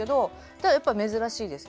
ただやっぱり珍しいです。